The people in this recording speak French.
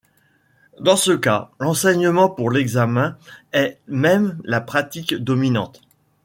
Dans ce cas, l’enseignement pour l’examen est même la pratique dominante.